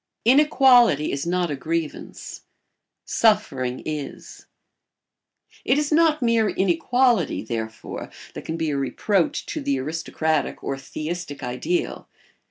[Sidenote: Inequality is not a grievance; suffering is.] It is not mere inequality, therefore, that can be a reproach to the aristocratic or theistic ideal.